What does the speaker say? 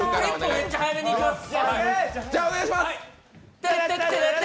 めっちゃ速めにいきます。